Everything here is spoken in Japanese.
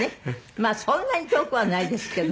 まあそんなに遠くはないですけど。